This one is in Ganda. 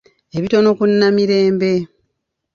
Ebitono ku Namirembe.